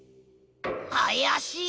あやしい。